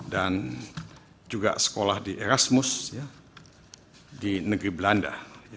dan juga sekolah di erasmus di negeri belanda